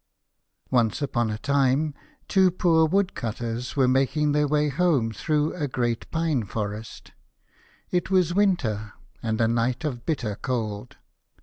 O NCE upon a time two poor Woodcutters were making their way home through a great pine forest. It was winter, and a night of bitter cold.